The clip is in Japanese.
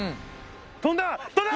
飛んだ！